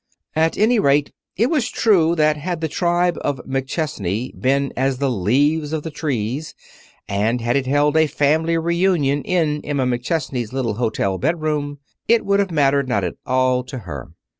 At any rate it was true that had the tribe of McChesney been as the leaves of the trees, and had it held a family reunion in Emma McChesney's little hotel bedroom, it would have mattered not at all to her.